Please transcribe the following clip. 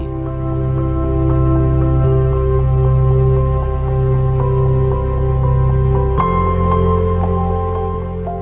pusat rehabilitasi harimau sumatera